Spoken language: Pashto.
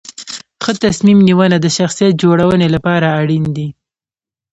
ښه تصمیم نیونه د شخصیت جوړونې لپاره اړین دي.